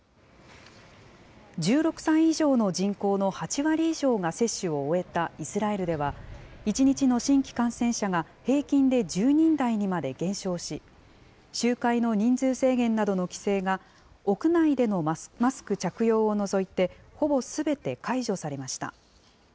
１６歳以上の人口の８割以上が接種を終えたイスラエルでは、１日の新規感染者が平均で１０人台にまで減少し、集会の人数制限などの規制が、屋内でのマスク着用を除いて、ほぼすべて解除されました。